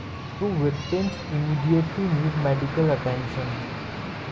Two victims immediately need medical attention.